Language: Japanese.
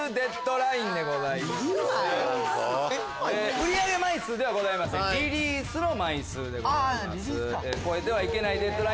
売り上げ枚数ではございませんリリースの枚数でございます。